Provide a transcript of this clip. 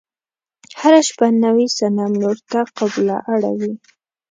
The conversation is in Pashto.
هره شپه نوي صنم لور ته قبله اوړي.